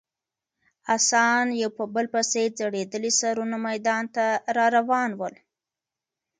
اسان یو په بل پسې ځړېدلي سرونه میدان ته راروان ول.